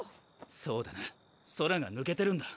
そうだな空が抜けてるんだ。